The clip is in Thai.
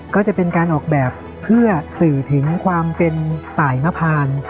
ก็จะเป็นการออกแบบเพื่อสื่อถึงความเป็นตายนพาน